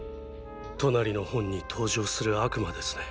トナリの本に登場する悪魔ですね。